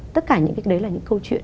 tất cả những cái đấy là những câu chuyện